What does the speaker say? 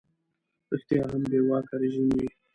ریشتیا هم بې واکه رژیم وي.